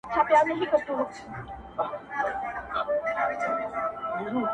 زما زړه په محبت باندي پوهېږي~